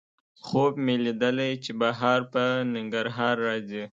خوب مې لیدلی چې بهار په ننګرهار راځي